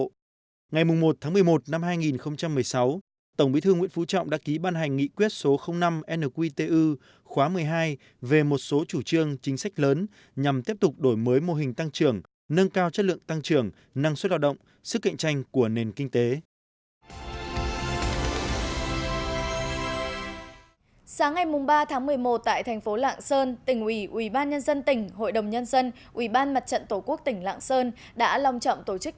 một mươi tháng một mươi năm hai nghìn một mươi sáu thay mặt ban chấp hành trung ương đảng cộng sản việt nam khóa một mươi hai tổng bí thư nguyễn phú trọng đã ký ban hành nghị quyết số năm nqtu về tăng cường xây dựng chỉnh đốn đẩy lùi sự suy thoái về tư tưởng chính trị đạo đức lối sống những biểu hiện tự diễn biến tự chuyển hóa trong nội bộ